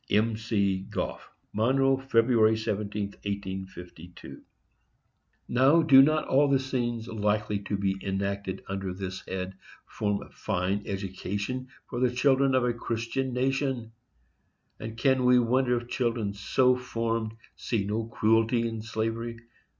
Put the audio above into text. M. C. GOFF. Monroe, Feb. 17, 1852. 15–3m Now, do not all the scenes likely to be enacted under this head form a fine education for the children of a Christian nation? and can we wonder if children so formed see no cruelty in slavery?